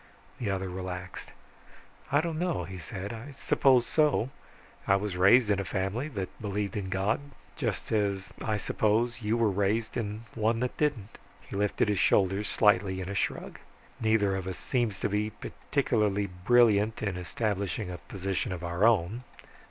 The other relaxed. "I don't know," he said. "I suppose so. I was raised in a family that believed in God. Just as, I suppose, you were raised in one that didn't." He lifted his shoulders slightly in a shrug. "Neither of us seems to be particularly brilliant in establishing a position of our own."